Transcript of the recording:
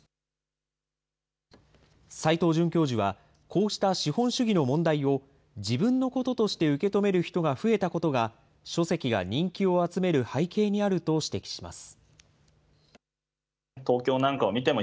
斎藤准教授は、こうした資本主義の問題を、自分のこととして受け止める人が増えたことが、書籍が人気を集める背景にあると指摘しています。